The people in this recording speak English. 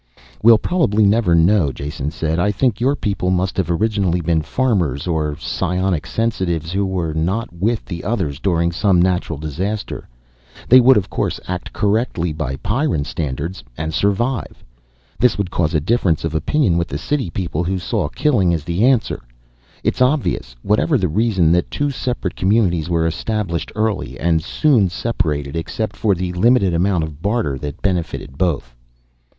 "We'll probably never know," Jason said. "I think your people must have originally been farmers, or psionic sensitives who were not with the others during some natural disaster. They would, of course, act correctly by Pyrran standards, and survive. This would cause a difference of opinion with the city people who saw killing as the answer. It's obvious, whatever the reason, that two separate communities were established early, and soon separated except for the limited amount of barter that benefited both."